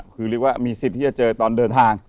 คือเรียกว่ามีสิทธิ์ที่จะเจอตอนเดินทาง